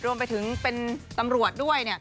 รวมไปถึงเป็นตำรวจด้วย